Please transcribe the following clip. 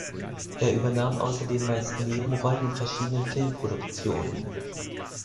Er übernahm außerdem meist Nebenrollen in verschiedenen Filmproduktionen.